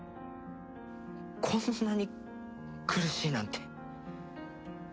こんなに苦しいなんて。